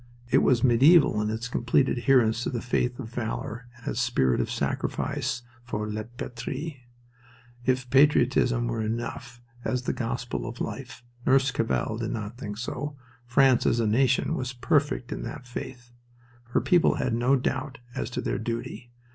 It was medieval in its complete adherence to the faith of valor and its spirit of sacrifice for La Patrie. If patriotism were enough as the gospel of life Nurse Cavell did not think so France as a nation was perfect in that faith. Her people had no doubt as to their duty.